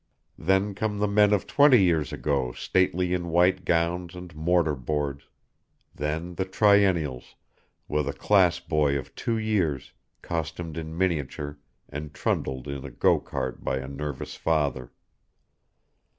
Then come the men of twenty years ago stately in white gowns and mortar boards; then the Triennials, with a class boy of two years, costumed in miniature and trundled in a go cart by a nervous father.